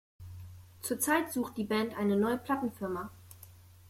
Zur Zeit sucht die Band eine neue Plattenfirma.